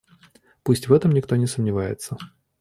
Пусть в этом никто не сомневается.